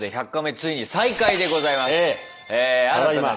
ついに再開でございます。